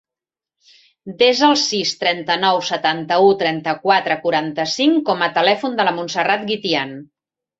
Desa el sis, trenta-nou, setanta-u, trenta-quatre, quaranta-cinc com a telèfon de la Montserrat Guitian.